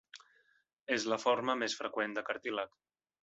És la forma més freqüent de cartílag.